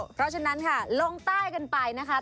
เพราะฉะนั้นค่ะลงใต้กันไปนะคะ